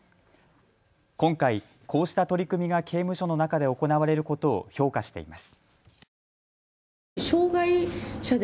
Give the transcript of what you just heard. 今回、こうした取り組みが刑務所の中で行われることを評価しています。